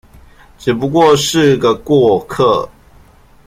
只不過是個過客